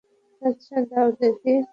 আচ্ছা, দাও দেখি।